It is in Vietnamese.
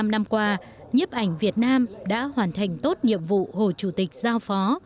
bảy mươi năm năm qua nhiếp ảnh việt nam đã hoàn thành tốt nhiệm vụ hồ chủ tịch giao phó